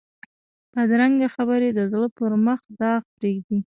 بدرنګه خبرې د زړه پر مخ داغ پرېږدي